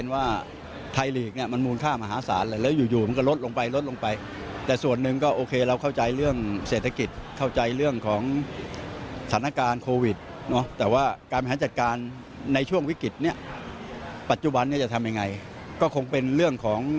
วันนี้จะทำยังไงก็คงเป็นเรื่องของ